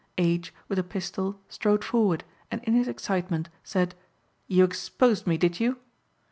H., with a pistol, strode forward and in his excitement said: 'You exposed me, did you?'